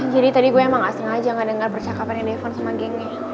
jadi tadi gue emang asing aja nggak denger percakapan yang di phone sama gengnya